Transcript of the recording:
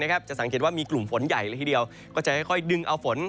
จะสังเกตว่ามีกลุ่มฝนใหญ่เลยทีเดียวก็จะค่อยดึงเอาฝน